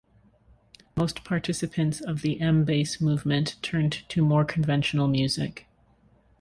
Most participants of the M-Base movement turned to more conventional music.